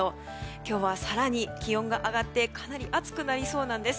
今日は更に気温が上がってかなり暑くなりそうなんです。